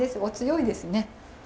お強いですね。